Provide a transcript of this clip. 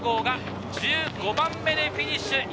１５番目でフィニッシュ。